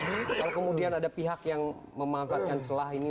kalau kemudian ada pihak yang memanfaatkan celah ini